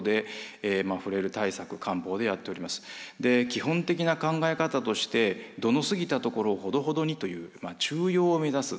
基本的な考え方として「度の過ぎたところをほどほどに」という「中庸をめざす」